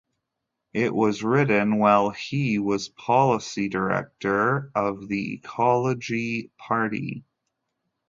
It was written while he was policy director of the Ecology Party.